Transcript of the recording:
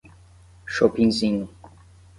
Chopinzinho